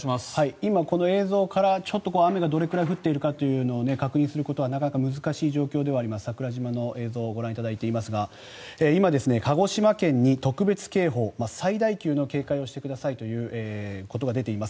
今この映像から雨がどれくらい降っているかを確認することはなかなか難しい状況ではあります桜島の映像をご覧いただいていますが今、鹿児島県に特別警報最大級の警報をしてくださいということが出ています。